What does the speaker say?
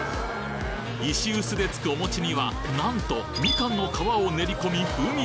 石臼でつくお餅にはなんとミカンの皮を練り込み風味